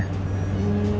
lebih cepat juga ya